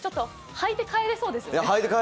履いて帰れそうですよね。